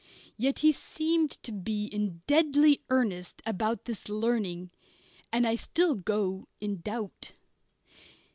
Yet he seemed to be in deadly earnest about this learning, and I still go in doubt.